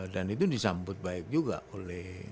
dan itu disambut baik juga oleh